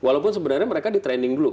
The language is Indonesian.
walaupun sebenarnya mereka di training dulu